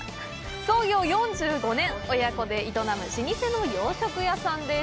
創業４５年親子で営む老舗の洋食屋さんです